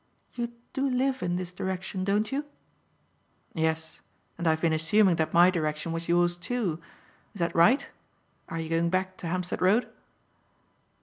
You do live in this direction, don't you?" "Yes; and I have been assuming that my direction was yours, too. Is that right? Are you going back to Hampstead Road?"